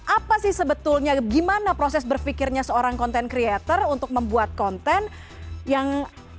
apa sih sebetulnya gimana proses berpikirnya seorang content creator untuk membuat konten yang